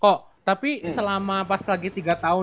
kok tapi selama pas lagi tiga tahun